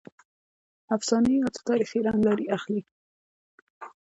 افسانې یو څه تاریخي رنګ اخلي.